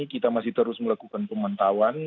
kita masih terus melakukan pemantauan